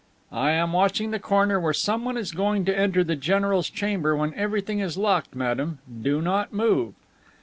"I am watching the corner where someone is going to enter the general's chamber when everything is locked, madame. Do not move!"